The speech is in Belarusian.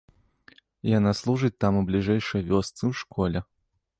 Яна служыць там у бліжэйшай вёсцы, у школе.